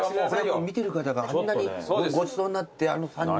見てる方があんなにごちそうになってあの３人はって。